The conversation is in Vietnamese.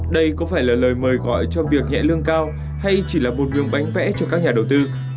đây có phải là lời mời gọi cho việc nhẹ lương cao hay chỉ là một nhường bánh vẽ cho các nhà đầu tư